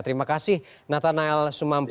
terima kasih nathanael sumampo